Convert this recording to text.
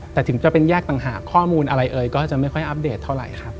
แต่ถึงจะเป็นแยกต่างหากข้อมูลอะไรเอ๋ยก็จะไม่ค่อยอัปเดตเท่าไหร่ครับ